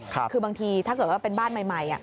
คือบางทีถ้าเกิดว่าเป็นบ้านใหม่